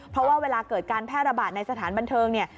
เพราะว่าเวลาเกิดการแพร่ระบาดในสถานบันเทิงเนี่ย